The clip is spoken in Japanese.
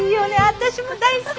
私も大好き。